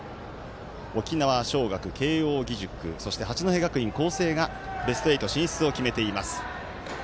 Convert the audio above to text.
沖縄尚学、慶応義塾そして、八戸学院光星がベスト８進出を決めています。